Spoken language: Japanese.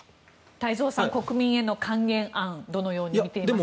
太蔵さん国民への還元案をどのように見ていますか。